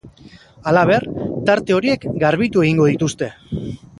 Halaber, tarte horiek garbitu egingo dituzte.